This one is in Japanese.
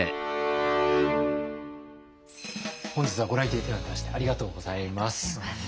本日はご来店頂きましてありがとうございます。